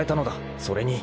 それに